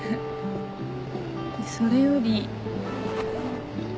それより。